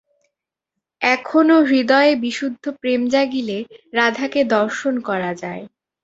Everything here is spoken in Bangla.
এখনও হৃদয়ে বিশুদ্ধ প্রেম জাগিলে রাধাকে দর্শন করা যায়।